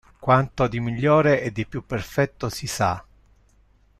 Quanto di migliore e di più perfetto si sa.